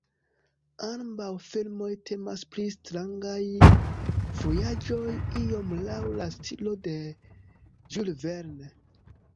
Ambaŭ filmoj temas pri strangaj vojaĝoj, iom laŭ la stilo de Jules Verne.